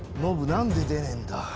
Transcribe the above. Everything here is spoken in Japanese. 何で出ねえんだ？